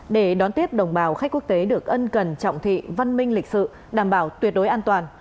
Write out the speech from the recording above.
để đón tiếp đồng bào khách quốc tế được ân cần trọng thị văn minh lịch sự đảm bảo tuyệt đối an toàn